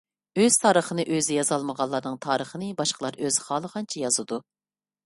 ئۆز تارىخىنى ئۆزى يازالمىغانلارنىڭ تارىخىنى باشقىلار ئۆزى خالىغانچە يازىدۇ.